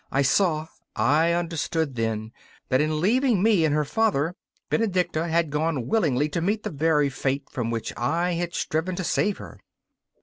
I saw I understood, then, that in leaving me and her father, Benedicta had gone willingly to meet the very fate from which I had striven to save her!